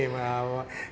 memakmurkan para petani